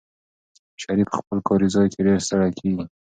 شریف په خپل کاري ځای کې ډېر ستړی کېږي.